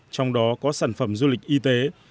trong đó có sản phẩm du lịch y tế